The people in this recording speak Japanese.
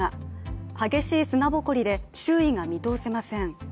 激しい砂ぼこりで周囲が見通せません。